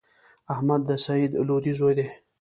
احمد د سعید لودی زوی دﺉ.